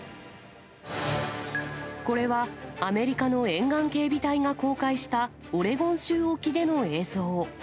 これは、アメリカの沿岸警備隊が公開したオレゴン州沖での映像。